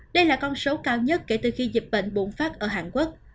đây là con số cao nhất kể từ khi dịch bệnh bùng phát ở hàn quốc